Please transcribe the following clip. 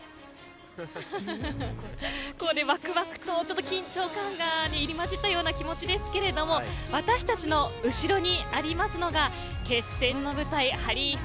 わくわくと緊張感が入り混じったような気持ちですけれども私たちの後ろにありますのが決戦の舞台